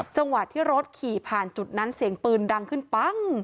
จังหวะที่รถขี่ผ่านจุดนั้นเสียงปืนดังขึ้นปั้ง